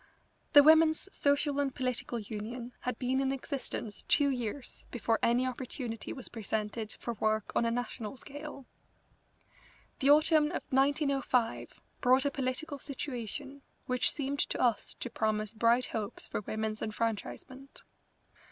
The Women's Social and Political Union had been in existence two years before any opportunity was presented for work on a national scale. The autumn of 1905 brought a political situation which seemed to us to promise bright hopes for women's enfranchisement.